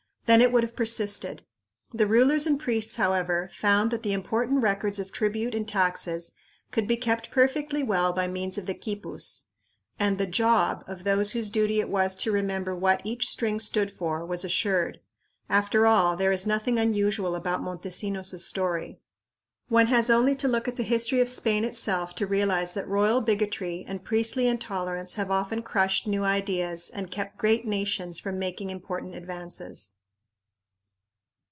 Then it would have persisted. The rulers and priests, however, found that the important records of tribute and taxes could be kept perfectly well by means of the quipus. And the "job" of those whose duty it was to remember what each string stood for was assured. After all there is nothing unusual about Montesinos' story. One has only to look at the history of Spain itself to realize that royal bigotry and priestly intolerance have often crushed new ideas and kept great nations from making important advances.